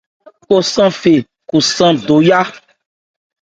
Kɔcɛn fe kɔcɛn do yá.